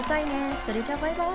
それじゃバイバイ！